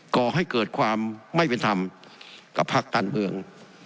ก่อให้เกิดความไม่เป็นธรรมกับภาคการเมือง